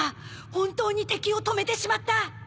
本当に敵を止めてしまった！